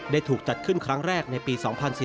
ถูกจัดขึ้นครั้งแรกในปี๒๔๔